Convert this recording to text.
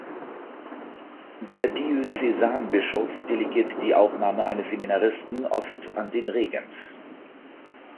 Der Diözesanbischof delegiert die Aufnahme eines Seminaristen oft an den Regens.